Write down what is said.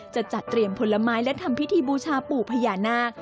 จะจัดเตรียมผลไม้และทำพิธีบูชาปู่พญานาค